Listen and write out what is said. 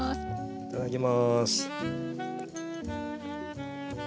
いただきます。